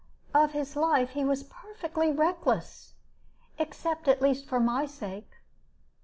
Of his life he was perfectly reckless, except, at least, for my sake."